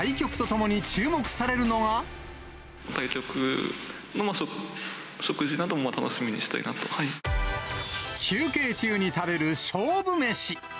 対局の食事なども楽しみにし休憩中に食べる勝負飯。